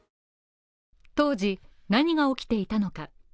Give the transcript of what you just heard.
当時何が起きていたのか。